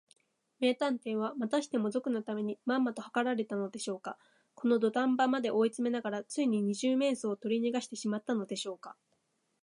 名探偵は、またしても賊のためにまんまとはかられたのでしょうか。このどたん場まで追いつめながら、ついに二十面相をとりにがしてしまったのでしょうか。